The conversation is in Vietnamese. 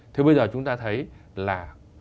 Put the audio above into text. thì bây giờ chúng ta thấy là